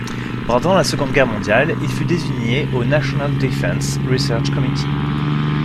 Pendant la Seconde Guerre mondiale, il fut désigné au National Defense Research Committee.